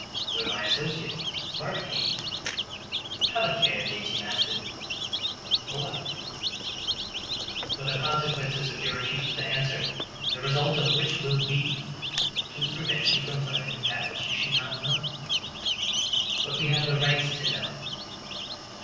"Where my associate, Barbicane, is." "Have a care, J.T. Maston." "For what?" "For the consequences of your refusal to answer, the result of which will be " "To prevent you from learning that which you should not know." "What we have the right to know."